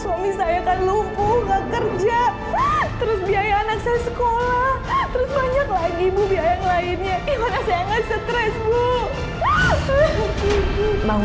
suami saya lupu nggak kerja terus biaya anak saya sekolah